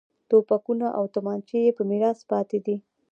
توپکونه او تومانچې یې په میراث پاتې دي.